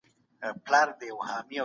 چې نېک کارونه وکړو.